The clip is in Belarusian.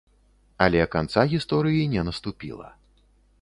Але канца гісторыі не наступіла.